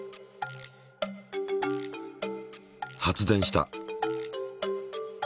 発電した。